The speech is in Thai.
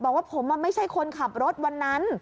บอกว่าผมไม่ใช่คนขับรถวันนั้น